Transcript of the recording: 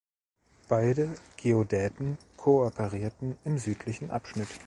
Beide Geodäten kooperierten im südlichen Abschnitt.